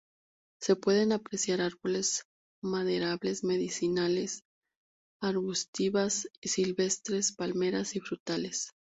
Se pueden apreciar árboles maderables, medicinales, arbustivas silvestres, palmeras y frutales.